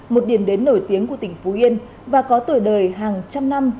một điểm đến nổi tiếng của tỉnh phú yên và có tuổi đời hàng trăm năm